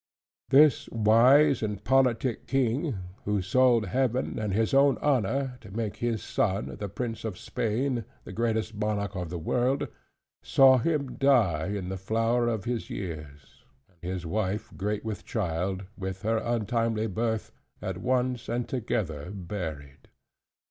This wise and politic King, who sold Heaven and his own honor, to make his son, the Prince of Spain, the greatest monarch of the world; saw him die in the flower of his years; and his wife great with child, with her untimely birth, at once and together buried.